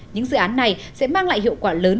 những dự án này sẽ mang lại hiệu quả lớn